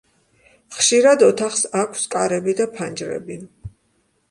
ხშირად ოთახს აქვს კარები და ფანჯრები.